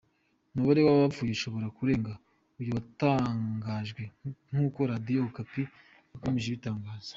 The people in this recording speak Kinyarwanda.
Umubare w’abapfuye ushobora kurenga uyu watangajwe nkuko Radiyo Okapi yakomeje ibitangaza.